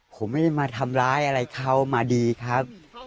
ผมไม่ได้มาทำร้ายอะไรเขามาดีครับ